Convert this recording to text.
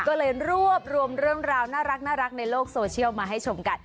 ก็เลยรวบรวมเรื่องราวน่ารักในโลกโซเชียลมาให้ชมกัน